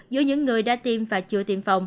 giữa những người đã tiêm và chưa tiêm phòng